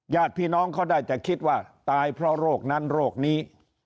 ญาติพี่น้องเขาได้แต่คิดว่าตายเพราะโรคนั้นโรคนี้